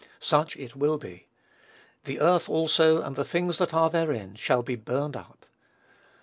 Such it will be. "The earth also, and the things that are therein, shall be burned up."